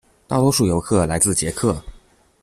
大多数游客来自捷克。